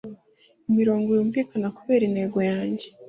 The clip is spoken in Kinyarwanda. Imirongo yumvikana kubera intego yanjye